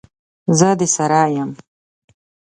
زه درسره یم.